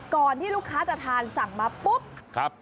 ก่อนที่ลูกค้าจะทานสั่งมาปุ๊บ